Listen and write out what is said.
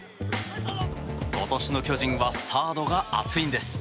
今年の巨人はサードが熱いんです。